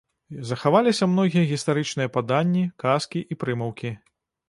Захаваліся многія гістарычныя паданні, казкі і прымаўкі.